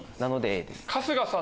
春日さん